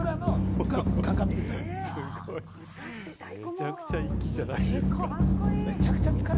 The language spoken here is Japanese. めちゃくちゃ粋じゃないです